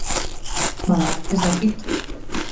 Bada, ez dakit.